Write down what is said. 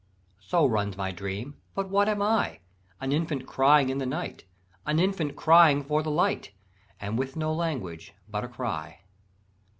"So runs my dream; but what am I? An infant crying in the night; An infant crying for the light: And with no language but a cry.